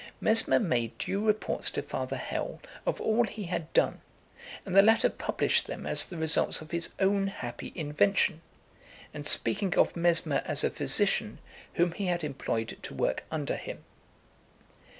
Mesmer made due reports to Father Hell of all he had done, and the latter published them as the results of his own happy invention, and speaking of Mesmer as a physician whom he had employed to work under him.